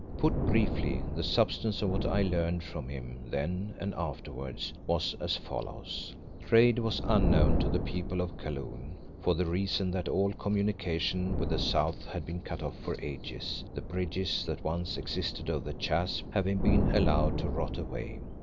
Put briefly, the substance of what I learned from him then and afterwards was as follows Trade was unknown to the people of Kaloon, for the reason that all communication with the south had been cut off for ages, the bridges that once existed over the chasm having been allowed to rot away.